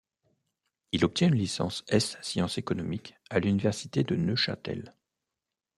Il obtient une licence ès sciences économiques à l'Université de Neuchâtel.